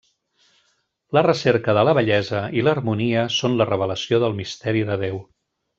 La recerca de la bellesa i l'harmonia són la revelació del misteri de Déu.